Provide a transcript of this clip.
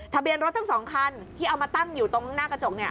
ทะเบียนรถทั้ง๒คันที่เอามาตั้งอยู่ตรงหน้ากระจก